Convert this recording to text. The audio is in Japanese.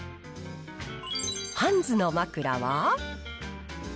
ハンズの枕は？